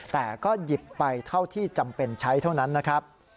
แต่ก็หยิบไปเท่าที่จำเป็นใช้เท่านั้นนะครับ